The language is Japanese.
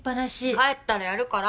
帰ったらやるから。